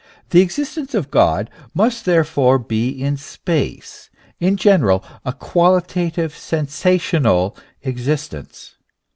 The existence of God must therefore be in space in general, a qualitative, sensational existence.